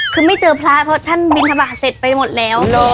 คือไม่เจอพระเพราะท่านบินทบาทเสร็จไปหมดแล้ว